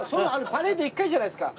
パレード１回じゃないですか。